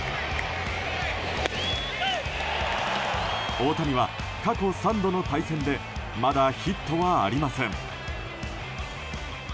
大谷は過去３度の対戦でまだヒットはありません。